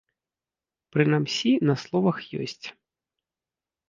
Прынамсі, на словах ёсць.